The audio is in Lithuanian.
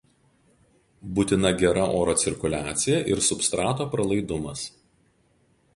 Būtina gera oro cirkuliacija ir substrato pralaidumas.